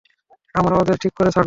আমরা ওদের ঠিক করে ছাড়বো।